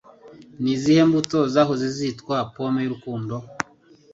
Ni izihe mbuto zahoze zitwa pome y'urukundo?